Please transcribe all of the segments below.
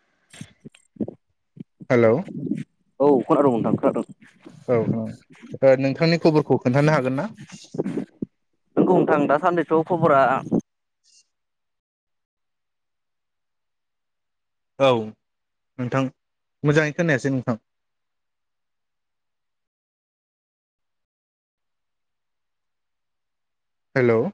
[unintelligible] हेल' औ खोनादं नथां खोनादोंं। औ [unintelligible] नोंथांनि खबरखौ खोन्थानो हागोन ना? नंगौ नथां दा सान्नैसोआव खबरा औ नोंथां मोजाङै खोनायासै नोंथां हेल'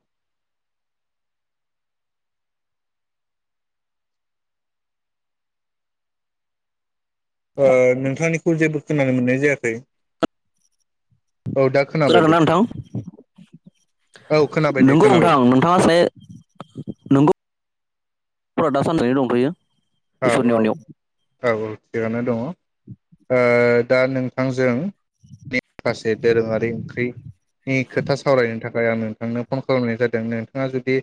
ओ नोंथांनिखौ जेबो खोनानो मोननाय जायाखै । खोनोनादोंना नोंथां? औ खोनाबाय दे नंगौ खोनाबाय नोंथां नोंथाङा से नोंगौ फ्रा दा सान्नानै दंफैयो औ इसोरनि औ उनाव औ औ थिगानो दङ दा नोंथांजों माखासे दोरोङारि ओंख्रिनि खोथा सावरायनो थाखाय फ्राय आं नोंथांनो फन खालामनाय जादों नोंथाङा जुदि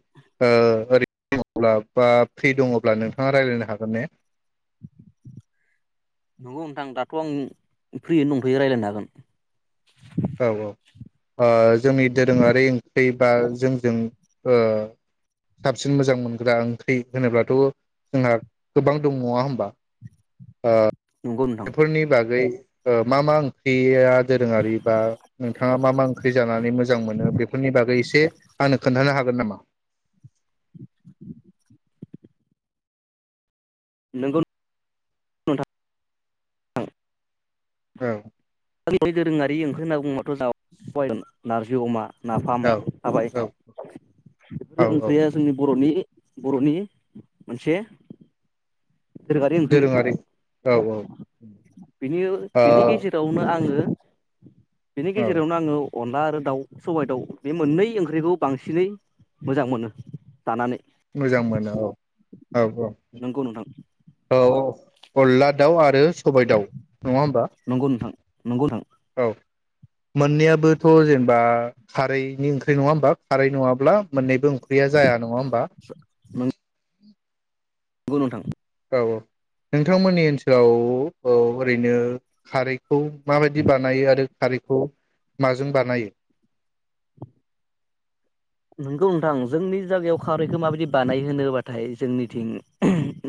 ओरै दङब्ला बा फ्रि दङब्ला नोंथाङा रायज्लायनो हागोन [unintelligible] नंगौ नोंथां दाथ आं फ्रिय दंफ्राय रायज्लायनो हागोन औ औ जोंनि दोरोङारि ओंख्रि बा जोंजों साबसिन मोजां मोनग्रा ओंख्रि होनोब्लाथ जोंहा गोबां दं नङा होमबा नंगौ नोंथां बेफोरनि बागै मा मा ओंख्रिया दोरोंङारि नोंथाङा मा मा ओंख्रि जानानै मोजां मोनो बेफोरनि बागै एसे आंनो खोन्थानो हागोन नामा नोंगौ नोंथां औ दोरोङारि ओंख्रि होनना बुङाथ [unintelligible] नारजि अमा नाफाम औ हाबाय औ औ बेफोर औ ओंख्रिया जोंनि बरनि बर'नि मोनसे दोरोङारि औ ओ ओंख्रिनि बेनि औ गेजेरावनो आङो बिनि गेजेरावनो आङो अनला आरो दाउ सबाइ दाउ बे मोननै ओंख्रिखौ बांसिनै मोजां मोनो जानानै मोजां मोनो औ औ नंगौ नोंथां औ औ अनला दाउ आरो सबाय दाउ नङा होमबा नंगौ नोंथां नंगौ नोंथां औ मोननैयाबोथ जेनेबा खारैनि ओंख्रि नङा होमबा खारै नङाब्ला मोननैबो ओं फुख्रिया जाया नङा होमबा नंगौ नोंथां। औ नोंथांमोननि ओनसोलाव औ ओरैनो खार खौ माबायदि बानायो आरो खार खौ माजों बानायो नोंगौ नोंथां जोंनि जायगायाव खारैखौ माबायदि बानाय होनोबाथाय जोंनिथिं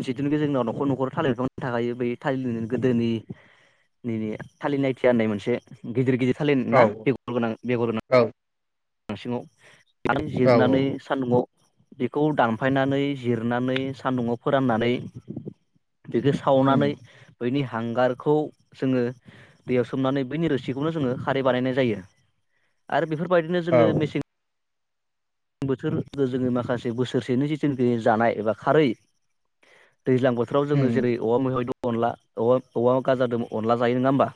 जिथुनिखि जोंनाव नखर नखर थालिर बिफां थाखायो ब थ गोदोनिनि थालिर नायथिया होननाय मोनसे गिदिर गिदिर सलिन औ ना बेगर गोनां बेगर गोनां औ नांसिङाव आरो औ जिरनानै सान्दुंआव बेखौ दानफायनानै जिरनानै सान्दुंङाव फोराननानै बेजो उम सावनानै बैनि हांगारखौ जोङो दैयाव सोमनानै बैनि रोसिखौनो जोङो खारै बानायनाय जायो आरो बेफोरबाय औ जोङो मेसें बोथोर जो-जोङो माखासे बोसोरसेनि जिथुनिखि जानाय एबा खारै दैज्लां बोथोराव जो उम जेरै औवा मैहाय दं अनला औवा औवा गाजादों अनला जायो नोङा होमबा?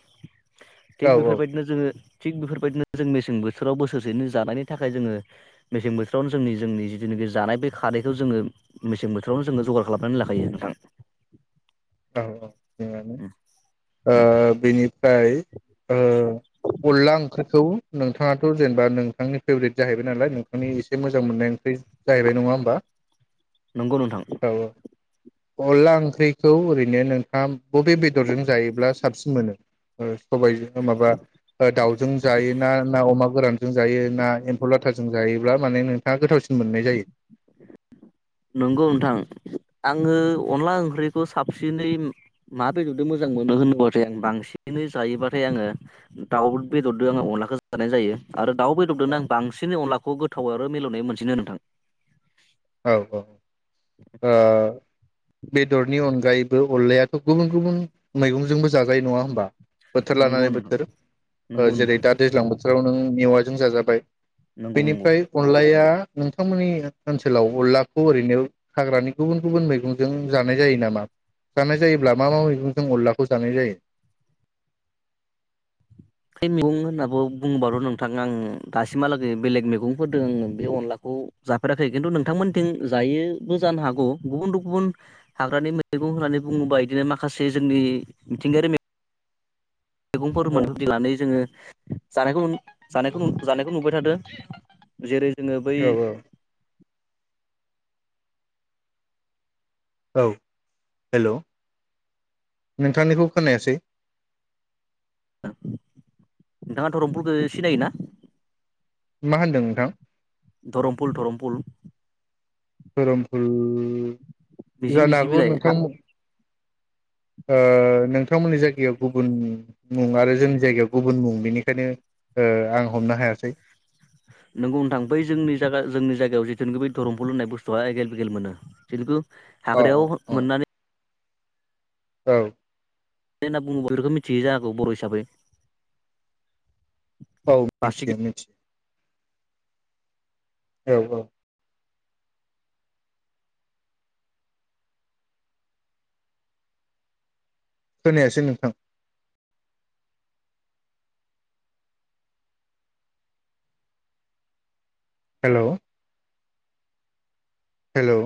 थिग औ बेफोरबायदिनो जोङो थिग बेफोरबायदिनो जों मेसें बोथोराव बोसोरसेनो जानायनि थाखाय जोङो मेसें बोथोरावनो जोंनि जोंनि जिथुनोखि जानाय बे खारैखौ जोङो मेसें बोथोरावनो जोङो जगार खालामनानै लाखायो नोंथां। औ औ [unintelligible] ओब बेनिफ्राय ओ अनला ओंख्रिखौ नोंथाङाथ' जेनेबा नोंथांनि फेभरेट जाहैबाय नालाय नोंथांनि एसे मोजां मोननाय ओं ख्रि जाहैबाय नङा होमबा नंगौ नोंथां औ औ। अल्ला ओंख्रि खौ ओरैनो नोंथाङा बबे बेदरजों जायोब्ला साबसिन मोनो? ओ सबाइजों ओ माबा ओ दाउजों जायोना ना अमा गोरान जों जायोना एम्फौ लाथाजों जायोब्ला माने नोंथाङा गोथावसिन मोननाय जायो? नंगौ नोंथां आङो अनला ओंख्रिखौ साबसिनै मा बेदरजों मोजां मोनो होनोबाथाय आं बांसिनै जायोबाथाय आङो दाउ बेदरजों आङो अनलाखौ जानाय जायो आरो दाउ बेदरदोनो औ आं बांसिन अनलाखौ खौ गोथाव आरो मिलौनाय मोनसिनो नोंथां। औ औ ओ बेदरनि अनगायैबो अल्लायाथ' गुबुन गुबुन मैगंजोंबो जाजायो नङा होमबा? बोथोर नंगौ लानानै नोंथां बोथोर नंगौ जेरै नोंथां दा दैज्लां बोथोराव नों मेवाइ जों जाजाबाय नंगौ नंगौ बेनिफ्राय अनलाया नोंथांमोननि ओनसो सोलाव अनलाखौ ओरैनो हाग्रानि गुबुन गुबुन मैगंजों जानाय जायो नामा जानाय जायोब्ला मा मा मैगंजों अनलाखौ जानाय जायो? [unintelligible] मैगं होन्नाबो बुङोबाथ' नोंथां आं दासिमहालागै बेलेग मैगंफोरदों बे अनलाखौ जाफेराखै खिन्थु नोंथांमोनथिं जायोबो जानो हागौ गुबुन गुबुन हाग्रानि मैगं होननानै बुङोबा इदिनो माखासे जोंनि मिथिंगायारि मेग मैगंफोर औ मोनो। होननानै जोङो जानायखौ नु जानायखौ नु जानायखौ नुबाय थादों जेरै जोङो बै औ औ हेल' नोंथांनिखौ खोनायासै। नोंथाङा धरमफुलखौ सिनायोना? मा होनदों नोंथां धरमफुल धरमफुल। धोरोमफुल मिजि जानो मिजि हागौ बिलाइ नोंथां ओ नोंथांमोननि जायगायाव गुबुन मुं आरो जोंनि जायगायाव गुबुन मुं बेनिखायनो ओ आं हमनो हायासै नोंगौ नोंथां बै जोंनि जा जोंनि जायगायाव जिथुखि बे धरमफोर ल होननाय बुस्थुवआ एगेल बेगेल मोनो जितुखु अ हाग्रायाव अ मोननानै औ [unintelligible] होनना बुङोब्ला बेफोरखौ मिथि जाखौ बर' हिसाबै औ बासिगि मिथियो मिथियो औ औ खोनायासै नोंथां हेल' हेल'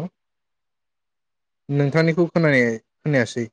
नोंथांनिखौ खोनाया खोनायासै